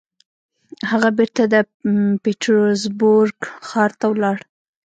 هغه بېرته د پيټرزبورګ ښار ته ولاړ.